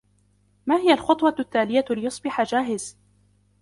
ما هي الخطوة التالية ليصبح جاهز ؟